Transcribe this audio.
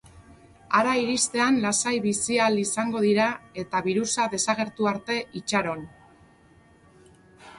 Hara iristean lasai bizi ahal izango dira eta birusa desagertu arte itxaron.